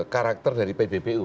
karakter dari pbbu